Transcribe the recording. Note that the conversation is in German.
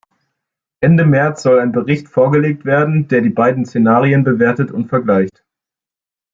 Ende März soll ein Bericht vorgelegt werden, der die beiden Szenarien bewertet und vergleicht.